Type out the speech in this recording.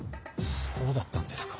そうだったんですか。